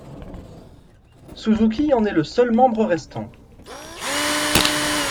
Suzuki en est le seul membre restant.